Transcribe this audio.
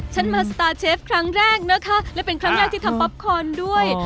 ฉันมาสตาร์เชฟครั้งแรกนะคะและเป็นครั้งแรกที่ทำป๊อปคอนด้วย